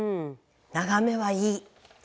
眺めはいい。